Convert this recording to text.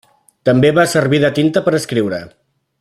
També va servir de tinta per escriure.